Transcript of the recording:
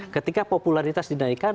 ketika popularitas dinaikkan